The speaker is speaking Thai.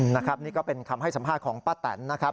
นะครับนี่ก็เป็นคำให้สัมภาษณ์ของป้าแตนนะครับ